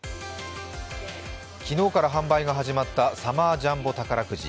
昨日から販売が始まったサマージャンボ宝くじ。